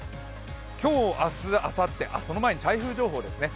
今日、明日、あさって、その前に台風情報ですね。